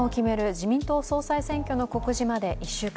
自民党総裁選挙の告示まで１週間。